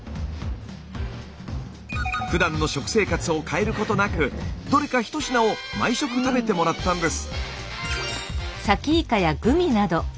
ふだんの食生活を変えることなくどれか１品を毎食食べてもらったんです。